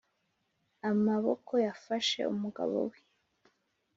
amaboko yafashe umugabo we,